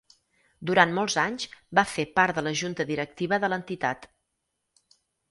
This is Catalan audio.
Durant molts d’anys va fer part de la Junta directiva de l’entitat.